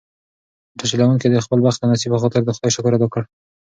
موټر چلونکي د خپل بخت او نصیب په خاطر د خدای شکر ادا کړ.